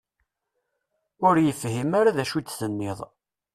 Ur yefhim ara d acu i d-tenniḍ.